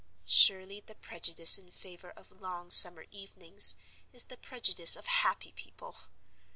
Surely, the prejudice in favor of long summer evenings is the prejudice of happy people?